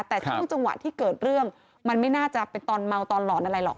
แต่ช่วงจังหวะที่เกิดเรื่องมันไม่น่าจะเป็นตอนเมาตอนหลอนอะไรหรอก